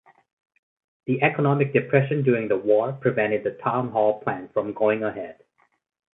The economic depression during the war prevented the town hall plan from going ahead.